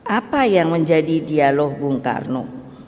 apa yang menjadi dialog bung karno